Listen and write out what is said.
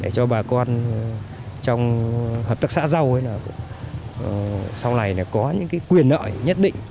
để cho bà con trong hợp tác xã rau ấy là sau này có những cái quyền nợ nhất định